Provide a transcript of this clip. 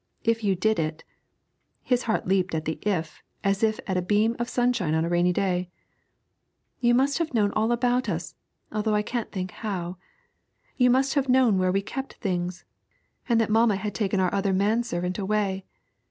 If you did it' his heart leaped at the 'if' as at a beam of sunshine on a rainy day 'you must have known all about us, although I can't think how; you must have known where we kept things, and that mamma had taken our other man servant away.